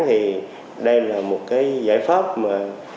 thì đây là một cái giải pháp mà